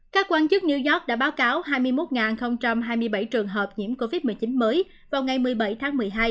các quan chức new york đã báo cáo hai mươi một hai mươi bảy trường hợp nhiễm covid một mươi chín mới vào ngày một mươi bảy tháng một mươi hai